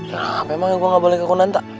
ya emang ya gue gak balik ke kun'anta